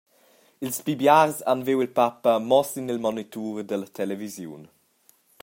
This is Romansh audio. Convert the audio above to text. Ils pli biars han viu il papa mo sin il monitur dalla televisiun.